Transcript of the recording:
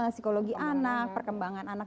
psikologi anak perkembangan anak